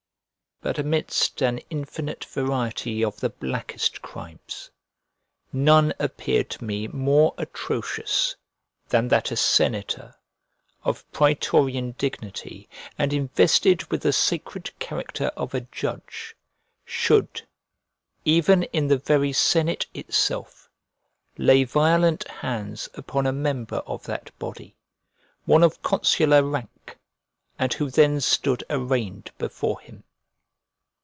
But amidst an infinite variety of the blackest crimes, none appeared to me more atrocious than that a senator, of praetorian dignity, and invested with the sacred character of a judge, should, even in the very senate itself, lay violent hands upon a member of that body, one of consular rank, and who then stood arraigned before him.